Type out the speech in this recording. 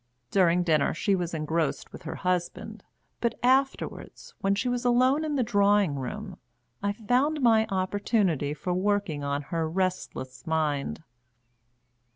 During dinner she was engrossed with her husband; but afterwards, when she was alone in the drawing room, I found my opportunity for working on her restless mind.